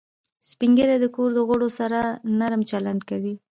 سپین ږیری د کور د غړو سره نرم چلند کوي